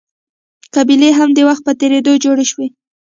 قبیلې هم د وخت په تېرېدو جوړې شوې.